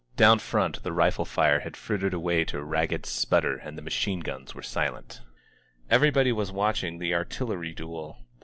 Down front the rifle fire had frittered away to ragged sputtering and the ma chine guns were silent. Everybody was watching the artillery duel.